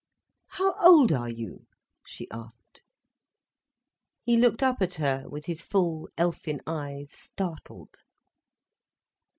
"How old are you?" she asked. He looked up at her with his full, elfin eyes startled.